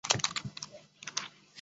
建沟石佛群的历史年代为金至明。